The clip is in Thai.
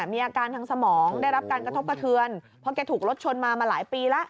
มีอาการทางสมองได้รับการกระทบกระเทือนเพราะแกถูกรถชนมามาหลายปีแล้ว